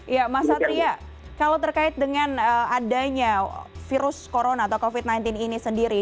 ya mas satria kalau terkait dengan adanya virus corona atau covid sembilan belas ini sendiri